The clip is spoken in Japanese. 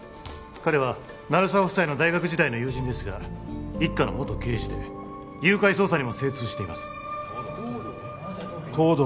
彼は鳴沢夫妻の大学時代の友人ですが一課の元刑事で誘拐捜査にも精通しています・東堂！？